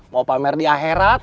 mau pamer di akhirat